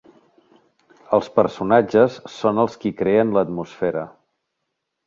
Els personatges són els qui creen l'atmosfera.